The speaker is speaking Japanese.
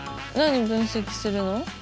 何分析するの？